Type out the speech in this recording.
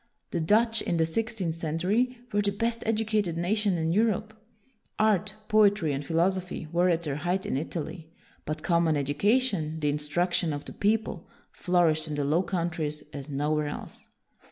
The Dutch, in the sixteenth century, were the best educated nation in Europe. Art, poetry, and philosophy were at their height in Italy; but common education, the instruction of the people, flourished in the Low Countries as nowhere else.